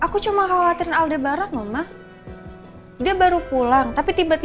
karena anda nehanya mengibut